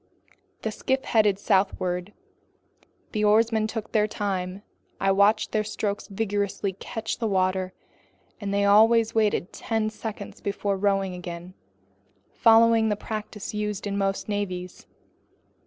The skiff headed southward. The oarsmen took their time. I watched their strokes vigorously catch the water, and they always waited ten seconds before rowing again, following the practice used in most navies.